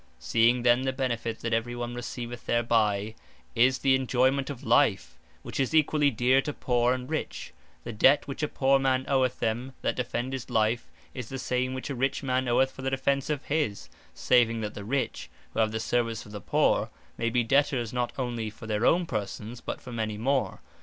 Seeing then the benefit that every one receiveth thereby, is the enjoyment of life, which is equally dear to poor, and rich; the debt which a poor man oweth them that defend his life, is the same which a rich man oweth for the defence of his; saving that the rich, who have the service of the poor, may be debtors not onely for their own persons, but for many more.